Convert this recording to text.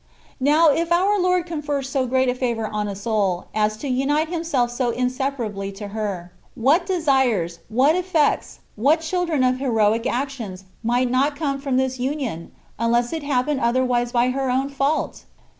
Now, if our Lord confer so great a favour on a soul, as to unite Himself so inseparably to her, what desires, what effects, what children of heroic actions,* might not come from this union, unless it happen otherwise by her own fault